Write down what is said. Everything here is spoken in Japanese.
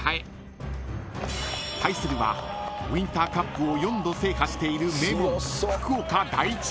［対するはウインターカップを４度制覇している名門］